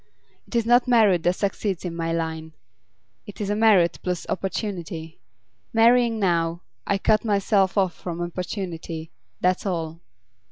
It is not merit that succeeds in my line; it is merit plus opportunity. Marrying now, I cut myself off from opportunity, that's all.